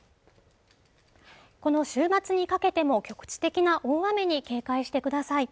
この週末にかけても局地的な大雨に警戒してください